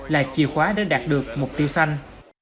là chìa khóa để đạt được mục tiêu xanh